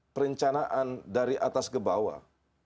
perencanaan dari atas ke bawah